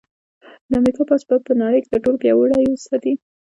د امریکا پوځ به په نړۍ کې تر ټولو پیاوړی وساتي